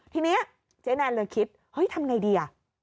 ทีนี้เจ๊แนนเลยคิดเฮ้ยทำไงดีอ่ะ